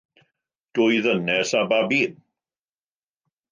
Dwy ddynes â babi